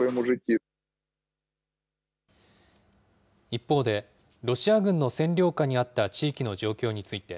一方で、ロシア軍の占領下にあった地域の状況について。